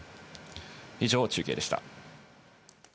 以上、中継でした。